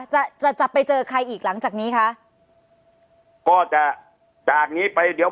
จะจะไปเจอใครอีกหลังจากนี้คะก็จะจากนี้ไปเดี๋ยว